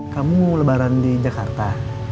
kamu lebaran di jakarta